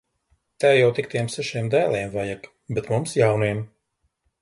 Tev jau tik tiem sešiem dēliem vajag! Bet mums jauniem.